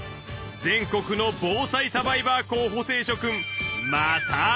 全国の防災サバイバー候補生諸君また会おう！